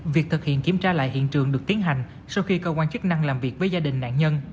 việc thực hiện kiểm tra lại hiện trường được tiến hành sau khi cơ quan chức năng làm việc với gia đình nạn nhân